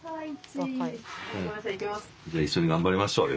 一緒に頑張りましょう。